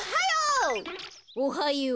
おはよう。